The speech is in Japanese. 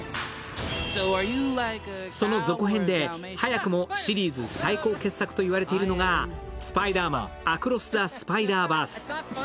その続編で早くもシリーズ最高傑作と言われているのが「スパイダーマン：アクロス・ザ・スパイダーバース」。